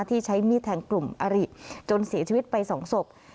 ที่ใช้มีดแทงกลุ่มอริจนเสียชีวิตไป๒ศพ